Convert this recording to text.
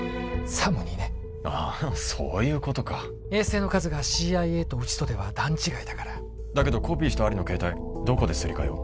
サムにねああそういうことか衛星の数がＣＩＡとうちとでは段違いだからだけどコピーしたアリの携帯どこですり替えを？